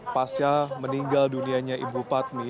pasca meninggal dunianya ibu padmi